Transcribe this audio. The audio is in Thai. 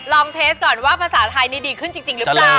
เทสก่อนว่าภาษาไทยนี่ดีขึ้นจริงหรือเปล่า